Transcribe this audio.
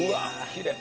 きれい。